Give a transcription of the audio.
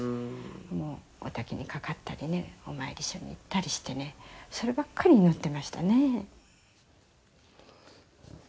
もうおたきにかかったりねお参り一緒に行ったりしてねそればっかり祈ってましたね」